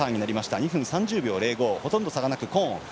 ２分３０秒０５ほとんど差がなくコーン。